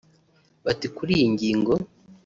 Bati “Kuri iyi ngingo